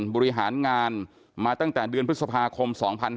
บริหารงานมาตั้งแต่เดือนพฤษภาคม๒๕๕๙